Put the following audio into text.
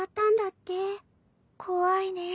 怖いね。